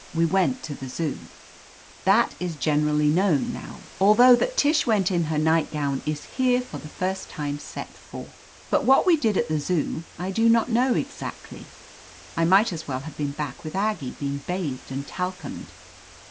We went to the Zoo. That is generally 163 THE AMAZING ADVENTURES known now, although that Tish went in her nightgown is here for the first time set forth. But what we did at the Zoo I do not know ex actly. I might as well have been back with Aggie, being bathed and talcumed.